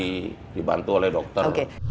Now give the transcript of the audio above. atau dibantu oleh dokter